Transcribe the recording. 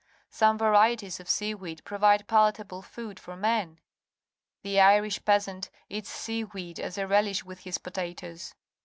Some varieties of sea weed provide pala table food for men.. The Irish peasant eats sea weed as a relish with his potatoes.